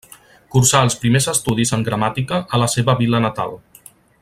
Cursà els primers estudis en gramàtica a la seva vila natal.